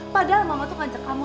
padahal mama tuh ngajak kamu